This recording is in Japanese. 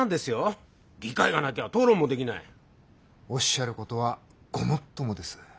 おっしゃることはごもっともです。